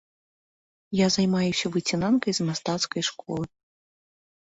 Я займаюся выцінанкай з мастацкай школы.